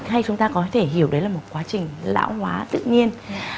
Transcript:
hay chúng ta có thể hiểu đấy là một quá trình lão hóa tự nhiên